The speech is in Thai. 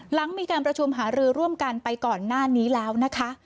หลังมีการประชุมหารือร่วมกันไปก่อนหน้านี้แล้วนะคะ